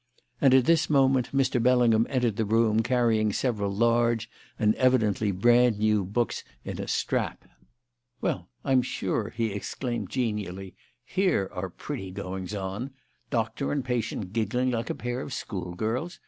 And at this moment Mr. Bellingham entered the room carrying several large and evidently brand new books in a strap. "Well, I'm sure!" he exclaimed genially; "here are pretty goings on. Doctor and patient giggling like a pair of schoolgirls!